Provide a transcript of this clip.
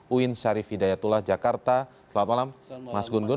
uin syarif hidayatullah jakarta selamat malam mas gun gun